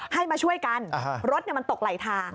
ให้มาช่วยกันรถมันตกไหลทาง